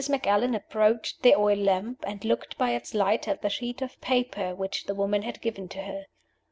Macallan approached the oil lamp, and looked by its light at the sheet of paper which the woman had given to her.